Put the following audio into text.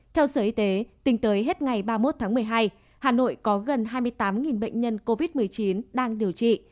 theo sở y tế tính tới hết ngày ba mươi một tháng một mươi hai hà nội có gần hai mươi tám bệnh nhân covid một mươi chín đang điều trị